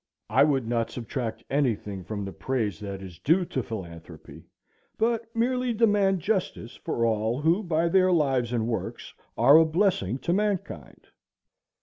I would not subtract any thing from the praise that is due to philanthropy, but merely demand justice for all who by their lives and works are a blessing to mankind.